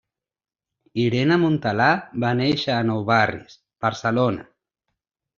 Irene Montalà va néixer a Nou Barris, Barcelona.